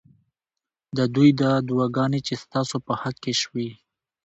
ددوی دا دعاګانې چې ستا سو په حق کي شوي